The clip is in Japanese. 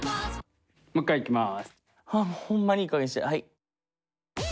もう一回いきます。